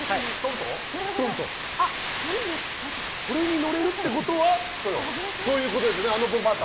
これに乗れるってことはそういうことですよね。